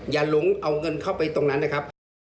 หลงเอาเงินเข้าไปตรงนั้นนะครับ